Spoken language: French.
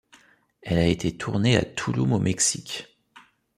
Elle a été tourné à Tulum au Mexique.